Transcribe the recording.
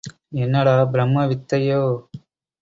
என்னடா பிரம்ம வித்தையோ?